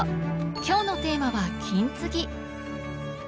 今日のテーマは「金継ぎ」！